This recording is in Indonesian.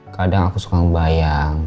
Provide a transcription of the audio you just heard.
kadang aku suka ngebayang